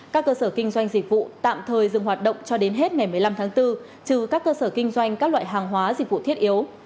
các cơ sở kinh doanh dịch vụ tạm thời dừng hoạt động cho đến hết ngày một mươi năm tháng bốn trừ các cơ sở kinh doanh các loại hàng hóa dịch vụ thiết yếu